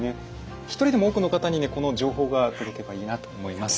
一人でも多くの方にねこの情報が届けばいいなと思います。